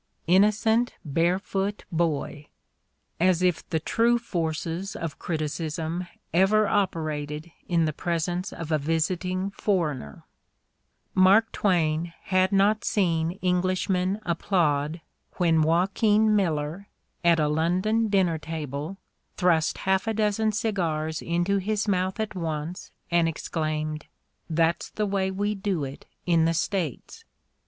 Innocent barefoot boy! As if the true forces of criticism ever operated in the presence of a visiting foreigner ! Mark Twain had not seen English men applaud when Joaquin Miller, at a London dinner table, thrust half a dozen cigars into his mouth at once and exclaimed: "That's the way we do it in the States!"